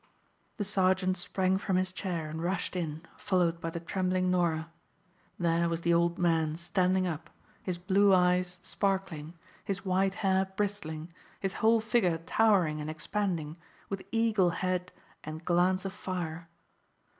The sergeant sprang from his chair and rushed in, followed by the trembling Norah. There was the old man standing up, his blue eyes sparkling, his white hair bristling, his whole figure towering and expanding, with eagle head and glance of fire.